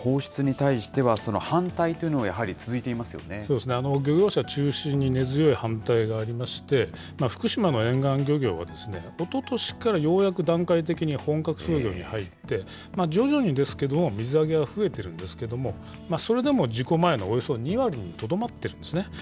ただ、この放出に対しては、反対というのもやはり続いていまそうですね。漁業者中心に根強い反対がありまして、福島の沿岸漁業は、おととしからようやく段階的に本格操業に入って、徐々にですけれども、水揚げは増えてるんですけども、それでも事故前のおよそ２割にとどまっているんですね。